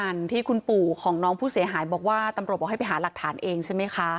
อันที่คุณปู่ของน้องผู้เสียหายบอกว่าตำรวจบอกให้ไปหาหลักฐานเองใช่ไหมคะ